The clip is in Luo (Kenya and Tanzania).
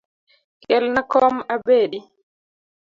Kelna kom abedi.